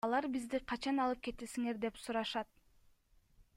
Алар бизди качан алып кетесиңер деп сурашат.